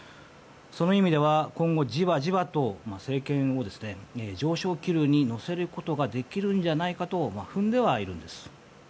その意味では今後じわじわと政権を上昇気流に乗せることができるんじゃないかと踏んではいるんです。